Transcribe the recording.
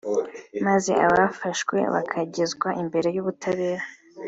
maze abafashwe bakagezwa imbere y’ubutabera